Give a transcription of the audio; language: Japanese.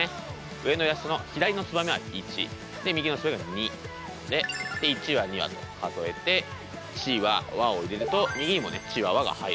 上のイラストの左のツバメは１で右のツバメが２で１羽２羽と数えて「ちわ」「わ」を入れると右にもね「ちわわ」が入ると。